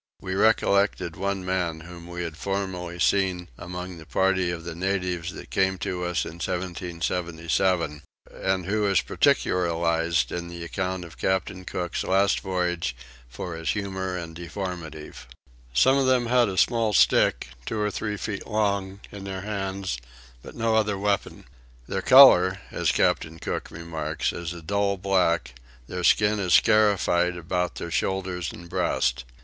We recollected one man whom we had formerly seen among the party of the natives that came to us in 1777, and who is particularised in the account of Captain Cook's last voyage for his humour and deformity. Some of them had a small stick, two or three feet long, in their hands, but no other weapon. Their colour, as Captain Cook remarks, is a dull black: their skin is scarified about their shoulders and breast.